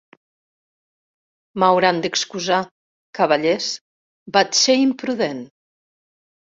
M'hauran d'excusar, cavallers; vaig ser imprudent.